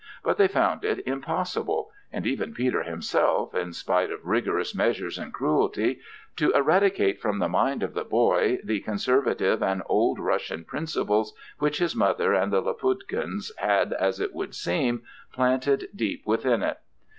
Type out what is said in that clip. But they found it impossible—and even Peter himself, in spite of rigorous measures and cruelty—to eradicate from the mind of the boy the conservative and old Russian principles which his mother and the Laputkins had, as it would seem, planted deep within it.